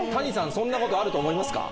そんなことあると思いますか？